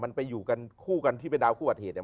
มันไปอยู่กันคู่กันที่เป็นดาวคู่บัติเหตุเนี่ย